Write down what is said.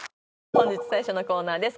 本日最初のコーナーです